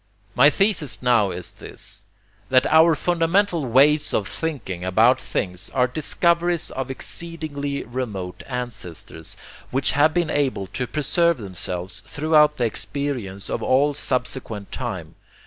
My thesis now is this, that OUR FUNDAMENTAL WAYS OF THINKING ABOUT THINGS ARE DISCOVERIES OF EXCEEDINGLY REMOTE ANCESTORS, WHICH HAVE BEEN ABLE TO PRESERVE THEMSELVES THROUGHOUT THE EXPERIENCE OF ALL SUBSEQUENT TIME.